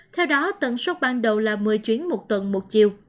theo đó tầng suất ban đầu là một mươi chuyến một tuần một chiều